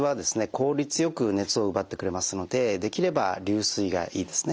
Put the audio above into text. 効率よく熱を奪ってくれますのでできれば流水がいいですね。